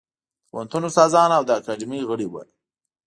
د پوهنتون استادان او د اکاډمۍ غړي وو.